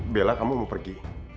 bella kamu mau pergi